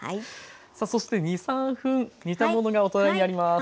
そして２３分煮たものがお隣にあります。